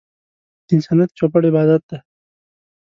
د انسانيت چوپړ عبادت دی.